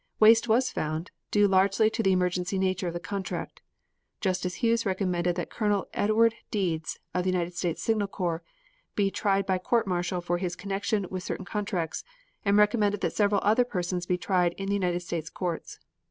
Waste was found, due largely to the emergency nature of the contract. Justice Hughes recommended that Col. Edward Deeds, of the United States Signal Corps, be tried by court martial for his connection with certain contracts, and recommended that several other persons be tried in the United States courts.